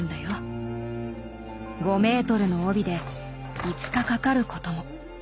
５メートルの帯で５日かかることも。